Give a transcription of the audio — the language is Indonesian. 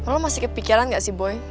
lo masih kepikiran gak sih boy